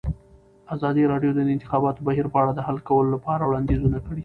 ازادي راډیو د د انتخاباتو بهیر په اړه د حل کولو لپاره وړاندیزونه کړي.